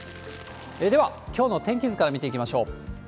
では、きょうの天気図から見ていきましょう。